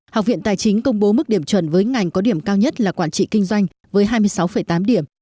học viện tài chính công bố mức điểm chuẩn với ngành có điểm cao nhất là quản trị kinh doanh với hai mươi sáu tám điểm